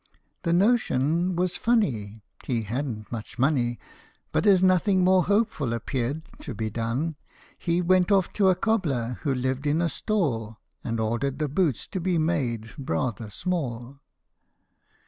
The notion was funny : He hadn't much money, But as nothing more hopeful appeared to be done, he Went off to a cobbler, who lived in a stall, And ordered the boots to be made rather small.